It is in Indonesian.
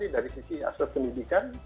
dari sisi aspek pendidikan